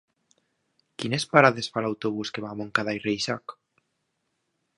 Quines parades fa l'autobús que va a Montcada i Reixac?